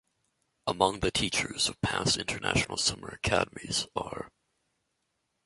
Among the teachers of past International Summer Academies are